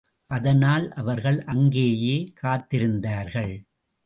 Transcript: அதனால், அவர்கள் அங்கேயே காத்திருந்தார்கள்.